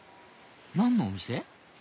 何のお店？